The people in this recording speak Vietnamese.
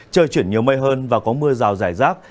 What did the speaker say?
trời chuyển nhiều mây hơn và có mưa rào rải rác